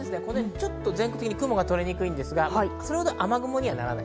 全国的に雲が取れにくいんですが、それほど雨雲にはならない。